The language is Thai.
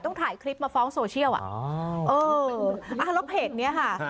ถ่ายคลิปมาฟ้องโซเชียลอ่ะอ๋อเอออ่าแล้วเพจเนี้ยค่ะ